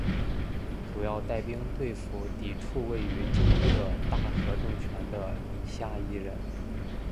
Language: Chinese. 主要带兵对付抵抗位于京都的大和政权的虾夷人。